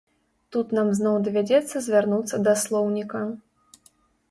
Тут нам зноў давядзецца звярнуцца да слоўніка.